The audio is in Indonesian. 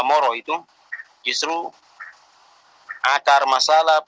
perhubungan dan perhubungan yang terjadi di papua ini